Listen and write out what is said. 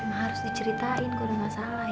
cuma harus diceritain kalo gak salah ya